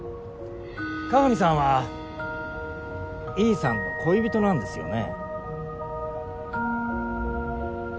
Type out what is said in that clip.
鏡さんは維井さんの恋人なんですよね？